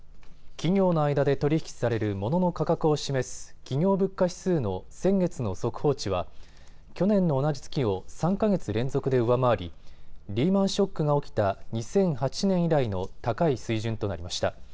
企業の間で取り引きされるモノの価格を示す企業物価指数の先月の速報値は去年の同じ月を３か月連続で上回り、リーマンショックが起きた２００８年以来の高い水準となりました。